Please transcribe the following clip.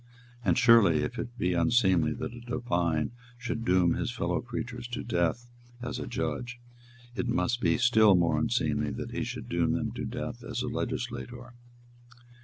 And surely, if it be unseemly that a divine should doom his fellow creatures to death as a judge, it must be still more unseemly that he should doom them to death as a legislator.